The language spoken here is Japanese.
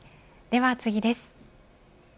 では次です。